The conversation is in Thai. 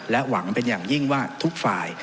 หวังเป็นอย่างยิ่งว่าทุกฝ่าย